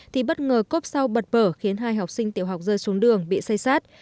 thì bất ngờ cốp sau bật bở khiến hai học sinh tiểu học rơi xuống đường bị xây sát